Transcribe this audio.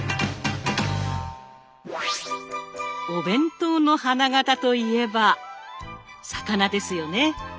お弁当の花形といえば魚ですよね。